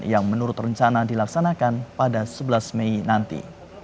yang menurut rencana dilaksanakan pada sebelas mei nanti